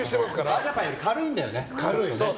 マージャン牌より軽いんだよね。